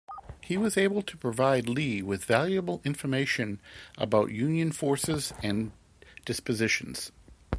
He was able to provide Lee with valuable information about Union forces and dispositions.